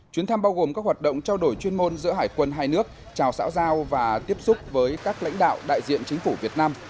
chuyến thăm bao gồm các hoạt động trao đổi chuyên môn giữa hải quân hai nước chào xã giao và tiếp xúc với các lãnh đạo đại diện chính phủ việt nam